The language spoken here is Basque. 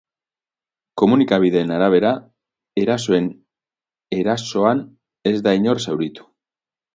Komunikabideen arabera, erasoan ez da inor zauritu.